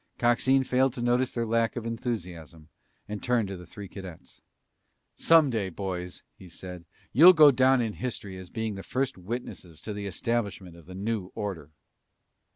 Coxine failed to notice their lack of enthusiasm and turned to the three cadets. "Some day, boys," he said, "you'll go down in history as being the first witnesses to the establishment of the new order."